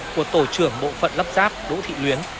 của tổ trưởng bộ phận lắp ráp đỗ thị luyến